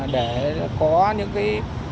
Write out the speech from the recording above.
để có những cái